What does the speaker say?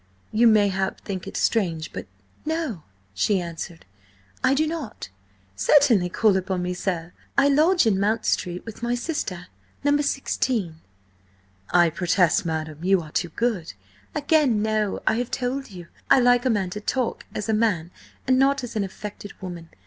You, mayhap, think it strange–but—" "No," she answered. "I do not. Certainly call upon me, sir. I lodge in Mount Street with my sister–No. 16." "I protest, madam, you are too good—" "Again, no. I have told you, I like a man to talk as a man and not as an affected woman.